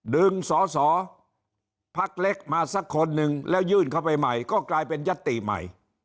ดึงสอสอพักเล็กมาสักคนนึงแล้วยื่นเข้าไปใหม่ก็กลายเป็นยัตติใหม่